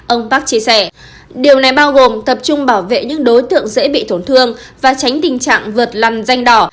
ông park chia sẻ điều này bao gồm tập trung bảo vệ những đối tượng dễ bị tổn thương và tránh tình trạng vượt lòng danh đỏ